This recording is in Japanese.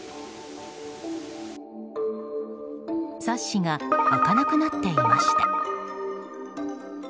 サッシが開かなくなっていました。